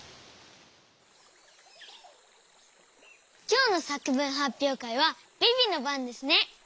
きょうのさくぶんはっぴょうかいはビビのばんですね。